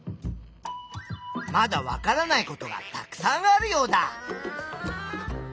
まだわからないことがたくさんあるヨウダ！